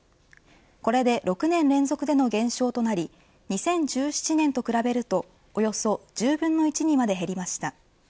これで６年連続での減少となり２０１７年と比べるとおよそ１０分の１にまで減りました。